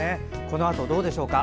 このあと、どうでしょうか。